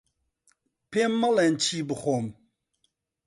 پێم مەڵێن چی بخۆم.